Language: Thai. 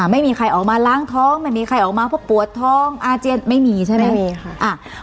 ไม่มีใครออกมาล้างท้องไม่มีใครออกมาเพราะปวดท้องอาเจียนไม่มีใช่ไหมไม่มีค่ะ